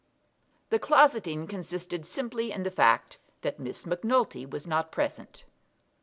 The "closeting" consisted simply in the fact that Miss Macnulty was not present.